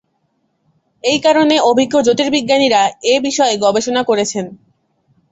এই কারণে অভিজ্ঞ জ্যোতির্বিজ্ঞানীরা এ বিষয়ে গবেষণা করছেন।